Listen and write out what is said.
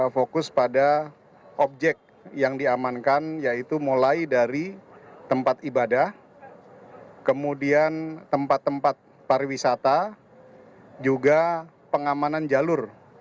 fokus pada objek yang diamankan yaitu mulai dari tempat ibadah kemudian tempat tempat pariwisata juga pengamanan jalur